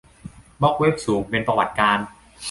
บล็อคเว็บสูงเป็นประวัติการณ์